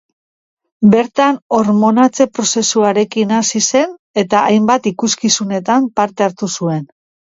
Bertan hormonatze-prozesuarekin hasi zen eta hainbat ikuskizunetan parte hartu zuen.